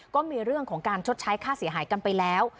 ก็มีเรื่องของการชดใช้ค่าเสียหายกันไปแล้ว